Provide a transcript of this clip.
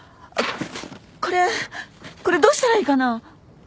これこれどうしたらいいかな！？